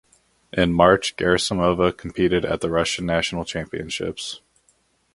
In March Gerasimova competed at the Russian National Championships.